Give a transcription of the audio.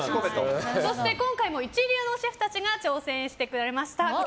そして今回も一流のシェフたちが挑戦してくれました。